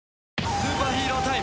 スーパーヒーロータイム。